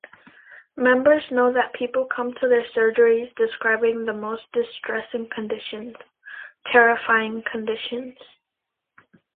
Members know that people come to their surgeries describing the most distressing conditions-terrifying conditions.